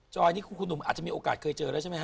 นี่คือคุณหนุ่มอาจจะมีโอกาสเคยเจอแล้วใช่ไหมฮ